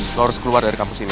itu harus keluar dari kampus ini